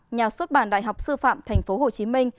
nhà xuất bản đại học sư phạm tp hcm